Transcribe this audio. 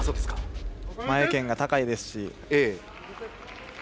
前拳が高いですし。